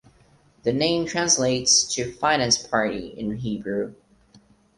The name translates to "Finance Party" in Hebrew.